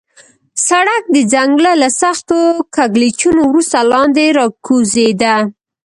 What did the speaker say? سړک د ځنګله له سختو کږلېچونو وروسته لاندې راکوزېده.